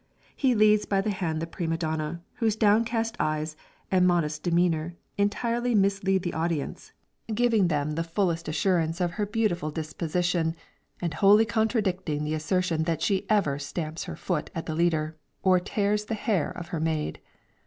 He leads by the hand the prima donna, whose downcast eyes, and modest demeanor, entirely mislead the audience, giving them the fullest assurance of her "beautiful disposition," and wholly contradicting the assertion that she ever stamps her foot at the leader, or tears the hair of her maid.